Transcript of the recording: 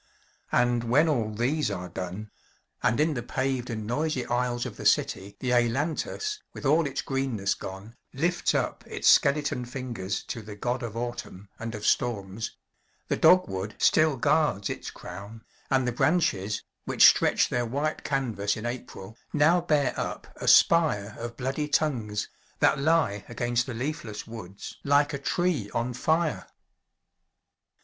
And when all these are done, and in the paved and noisy aisles of the city the ailantus, with all its greenness gone, lifts up its skeleton fingers to the God of Autumn and of storms, the dogwood still guards its crown; and the branches, which stretched their white canvas in April, now bear up a spire of bloody tongues, that lie against the leafless woods like a tree on fire!